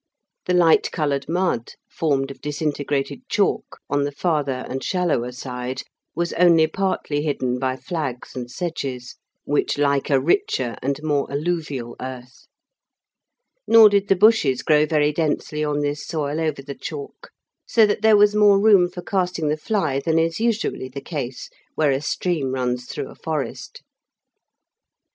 The light coloured mud, formed of disintegrated chalk, on the farther and shallower side was only partly hidden by flags and sedges, which like a richer and more alluvial earth. Nor did the bushes grow very densely on this soil over the chalk, so that there was more room for casting the fly than is usually the case where a stream runs through a forest.